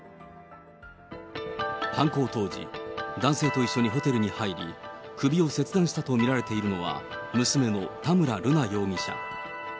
犯行当時、男性と一緒にホテルに入り、首を切断したと見られているのは、娘の田村瑠奈容疑者。